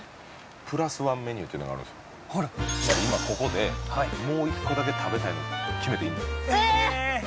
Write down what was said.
今ここでもう一個だけ食べたいの決めていいんでえっ？